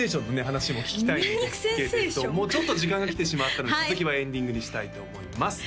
話も聞きたいんですけれどもちょっと時間が来てしまったので続きはエンディングにしたいと思います